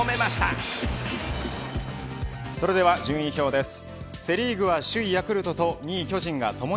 それでは順位表です。